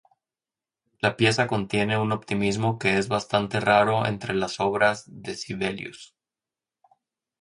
La pieza contiene un optimismo que es bastante raro entre las obras de Sibelius.